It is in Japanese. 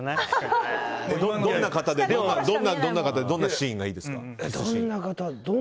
どんな方でどんなシーンがいいですか？